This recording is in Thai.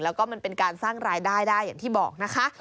แล้วก็มันเป็นการสร้างรายได้ได้อย่างที่บอกนะคะ